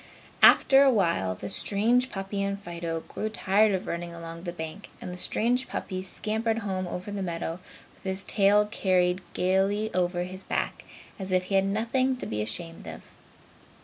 After a while, the strange puppy and Fido grew tired of running along the bank and the strange puppy scampered home over the meadow, with his tail carried gaily over his back as if he had nothing to be ashamed of.